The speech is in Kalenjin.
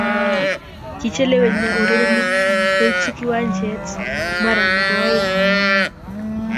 Kichelewinyo urerenik koitu kiwanjait mara ne bo oeng.